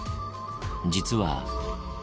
実は。